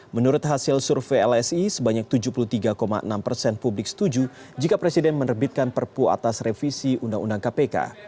menurut hasil survei lsi sebanyak tujuh puluh tiga enam persen publik setuju jika presiden menerbitkan perpu atas revisi undang undang kpk